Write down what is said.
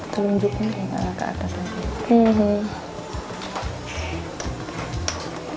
terus tunjukkan ke atas lagi